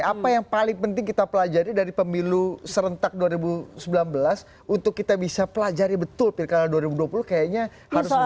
apa yang paling penting kita pelajari dari pemilu serentak dua ribu sembilan belas untuk kita bisa pelajari betul pilkada dua ribu dua puluh kayaknya harus berjalan